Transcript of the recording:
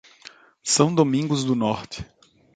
São Domingos do Norte